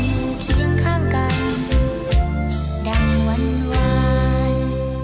ยังอยู่ที่ยังข้างกันดังหวั่นหวาน